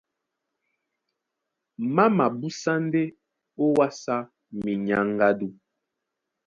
Má mabúsá ndé ówàsá minyáŋgádú.